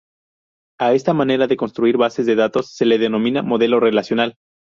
A esta manera de construir bases de datos se le denomina modelo relacional.